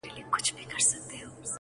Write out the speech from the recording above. خندا چي تاته در پرې ايښې په ژرا مئين يم!